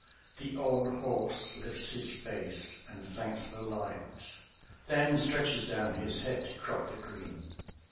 The old horse lifts his face and thanks the light, Then stretches down his head to crop the green.